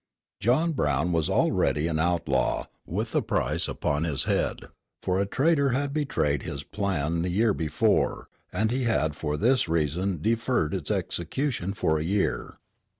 John Brown was already an outlaw, with a price upon his head; for a traitor had betrayed his plan the year before, and he had for this reason deferred its execution for a year.